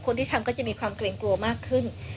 คนที่ทำก็จะมีความเกรงกลัวมากขึ้น